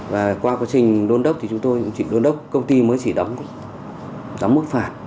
và qua quá trình đôn đốc công ty mới chỉ đóng mức phạt